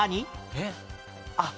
えっあっ！